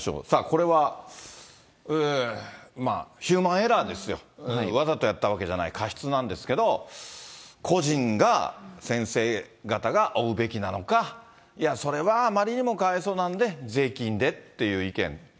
これは、まあ、ヒューマンエラーですよ、わざとやったわけじゃない、過失なんですけど、個人が、先生方が、負うべきなのか、いやそれはあまりにもかわいそうなんで、税金でっていう意見。